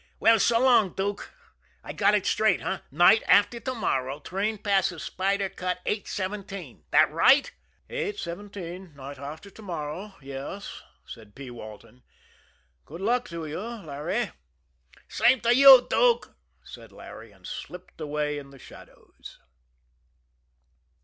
Well, so long, Dook I got it straight, eh? Night after to morrow, train passes Spider Cut eight seventeen that right?" "Eight seventeen night after to morrow yes," said P. Walton. "Good luck to you, Larry." "Same to you, Dook," said Larry and slipped away in the shadows.